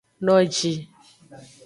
Noji.